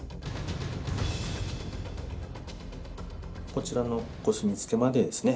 こちらのコスミツケまでですね